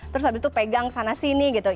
terus habis itu pegang sana sini gitu